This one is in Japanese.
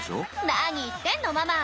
なに言ってんのママ！